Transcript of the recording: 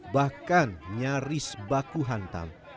bahkan nyaris baku hantam